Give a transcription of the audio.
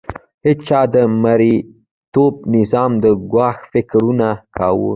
هیڅ چا د مرئیتوب نظام د ګواښ فکر نه کاوه.